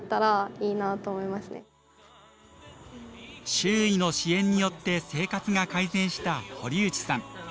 周囲の支援によって生活が改善した堀内さん。